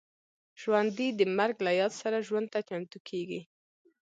ژوندي د مرګ له یاد سره ژوند ته چمتو کېږي